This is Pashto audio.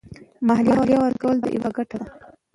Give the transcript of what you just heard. مالیه ورکول د هېواد په ګټه دي.